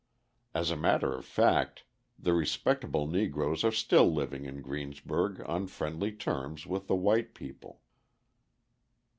As a matter of fact the respectable Negroes are still living in Greensburg on friendly terms with the white people.